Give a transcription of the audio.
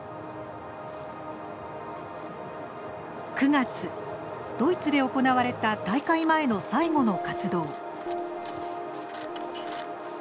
９月ドイツで行われた大会前の最後の活動。